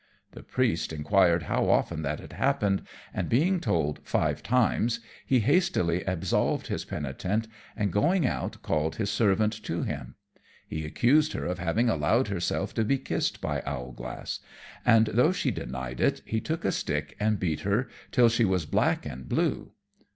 The Priest inquired how often that had happened; and being told five times, he hastily absolved his penitent, and going out called his servant to him. He accused her of having allowed herself to be kissed by Owlglass; and though she denied it, he took a stick and beat her till she was black and blue.